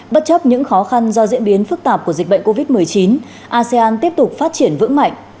bất chấp những khó khăn do diễn biến phức tạp của dịch bệnh covid một mươi chín asean tiếp tục phát triển vững mạnh